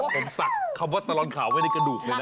ผมศักดิ์คำว่าตลอดข่าวไว้ในกระดูกเลยนะ